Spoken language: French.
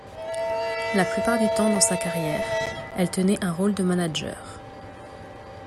La plupart du temps dans sa carrière, elle tenait un rôle de manager.